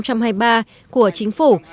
của chính phủ